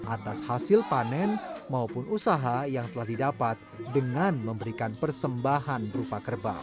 atas hasil panen maupun usaha yang telah didapat dengan memberikan persembahan berupa kerbau